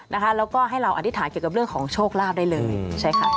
แล้วก็ให้เราอธิษฐานเกี่ยวกับเรื่องของโชคลาภได้เลยใช่ค่ะ